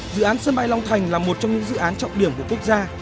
dự án sân bay long thành là một trong những dự án trọng điểm của quốc gia